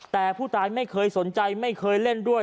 แต่ผู้ตายไม่เคยสนใจไม่เคยเล่นด้วย